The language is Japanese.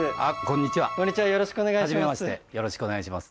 よろしくお願いします。